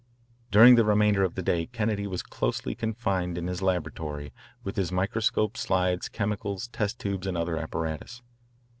During the remainder of the day Kennedy was closely confined in his laboratory with his microscopes, slides, chemicals, test tubes, and other apparatus.